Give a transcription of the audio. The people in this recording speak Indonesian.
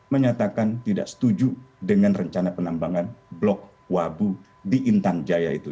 menyatakan tidak setuju dengan rencana penambangan blok wabu di intan jaya itu